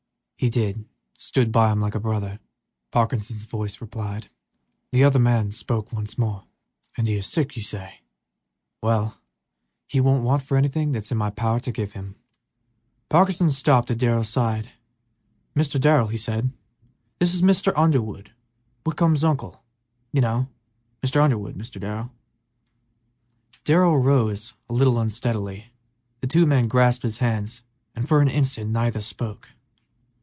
"He did; he stood by him like a brother," Parkinson's voice replied. "And he is sick, you say? Well, he won't want for anything within my power to do for him, that's all!" Parkinson stopped at Darrell's side. "Mr. Darrell," he said, "this is Mr. Underwood, Whitcomb's uncle, you know; Mr. Underwood, Mr. Darrell." Darrell rose a little unsteadily; the two men grasped hands and for an instant neither spoke.